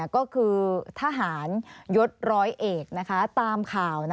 ก็คือทหารยศร้อยเอกนะคะ